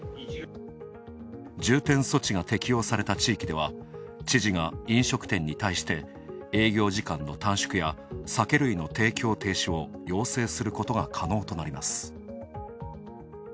重点措置が適用された地域では知事が飲食店に対して営業時間の短縮や酒類の提供停止を要請することが可能となります。